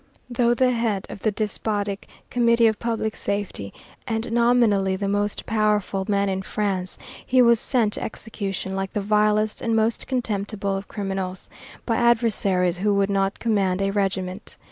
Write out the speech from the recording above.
Though the head of the despotic "Committee of Public Safety," and nominally the most powerful man in France, he was sent to execution like the vilest and most contemptible of criminals by adversaries who would not command a regiment.